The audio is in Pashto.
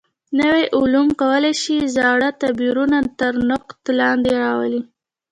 نوي علوم کولای شي زاړه تعبیرونه تر نقد لاندې راولي.